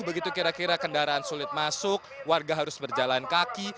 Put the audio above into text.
begitu kira kira kendaraan sulit masuk warga harus berjalan kaki